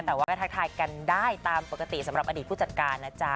แต่ว่าก็ทักทายกันได้ตามปกติสำหรับอดีตผู้จัดการนะจ๊ะ